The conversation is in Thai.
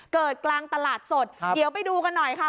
กลางตลาดสดเดี๋ยวไปดูกันหน่อยค่ะ